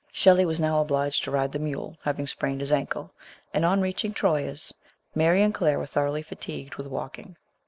Shelley was now obliged to ride the mule, having sprained his ankle, and on reaching Troyes Mary and Claire were thoroughly fatigued with walking.